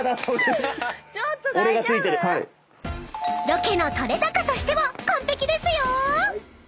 ［ロケの撮れ高としては完璧ですよ！］